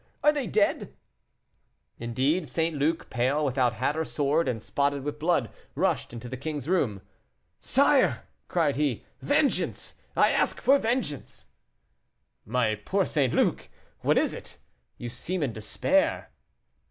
Are they dead?" Indeed, St. Luc, pale, without hat or sword, and spotted with blood, rushed into the king's room. "Sire!" cried he, "vengeance! I ask for vengeance!" "My poor St. Luc, what is it? You seem in despair."